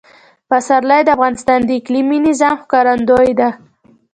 پسرلی د افغانستان د اقلیمي نظام ښکارندوی ده.